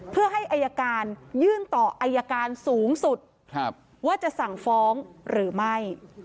เพื่อให้อายการยื่นต่ออายการสูงสุดว่าจะสั่งฟ้องหรือไม่